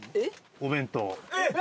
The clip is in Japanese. お弁当。